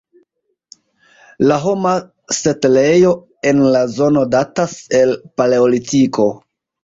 La homa setlejo en la zono datas el paleolitiko.